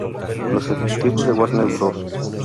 Los ejecutivos de Warner Bros.